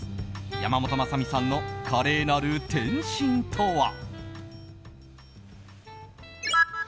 やまもとまさみさんの華麗なる転身とは。